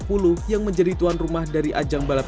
danau toba berhasil terpilih menjadi f satu powerboat di jawa barat